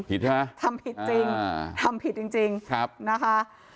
ผิดใช่ไหมครับอ่าทำผิดจริงทำผิดจริงนะคะ